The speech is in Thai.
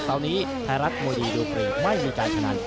เต่านี้ไทยรัฐมดีดูปรีกไม่มีการชนัด